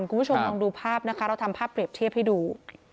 คุณผู้ชมลองดูภาพนะคะเราทำภาพเปรียบเทียบให้ดู